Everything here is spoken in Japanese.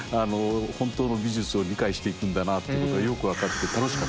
ほんとの美術を理解していくんだなってことがよく分かって楽しかったです。